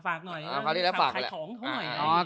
ฝากหน่อยขายของของหน่อย